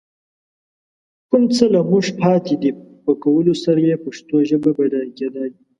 کوم څه له موږ پاتې دي، په کولو سره يې پښتو ژبه بډايه کېدای